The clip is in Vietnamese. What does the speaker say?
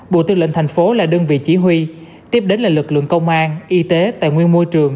bộ tư lệnh thành phố là đơn vị chỉ huy tiếp đến là lực lượng công an y tế tài nguyên môi trường